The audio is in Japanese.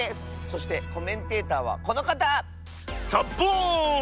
そしてコメンテーターはこのかた。サッボーン！